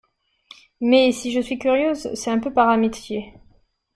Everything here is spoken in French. Mais, si je suis curieuse, c'est un peu par amitié.